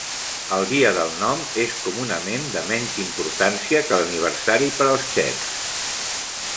El dia del nom és comunament de menys importància que l'aniversari per als txecs.